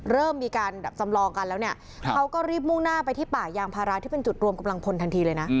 เริ่มมีการจำลองกันแล้วเนี่ยเขาก็รีบมุ่งหน้าไปที่ป่ายางพาราที่เป็นจุดรวมกำลังพลทันทีเลยนะ